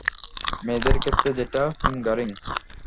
মেয়েদের ক্ষেত্রে যেটা ফিঙ্গারিং।